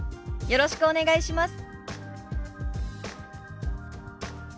よろしくお願いします。